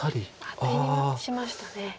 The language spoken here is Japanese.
アテにしましたね。